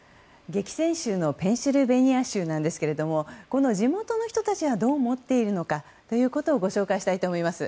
激戦州のペンシルベニア州なんですけれどもこの地元の人たちがどう思っているのかをご紹介したいと思います。